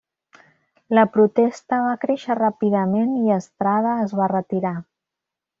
La protesta va créixer ràpidament i Estrada es va retirar.